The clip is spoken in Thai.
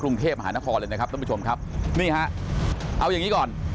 กรุงเทพมหานครเลยนะครับท่านผู้ชมครับนี่ฮะเอาอย่างงี้ก่อน